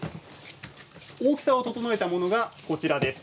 大きさを整えたものがこちらです。